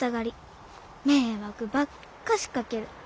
迷惑ばっかしかける。